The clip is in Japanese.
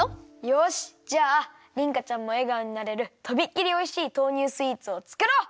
よしじゃありんかちゃんもえがおになれるとびっきりおいしい豆乳スイーツをつくろう！